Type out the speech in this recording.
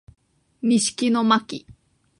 西木野真姫